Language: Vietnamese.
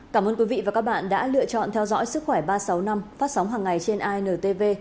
cảm ơn quý vị và các bạn đã lựa chọn theo dõi sức khỏe ba trăm sáu mươi năm phát sóng hàng ngày trên intv